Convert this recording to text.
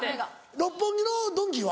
六本木のドンキは？